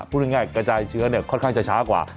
พูดง่ายกระจายเชื้อค่อนข้างจะช้ากว่า